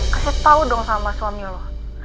kasih tau dong sama suami lo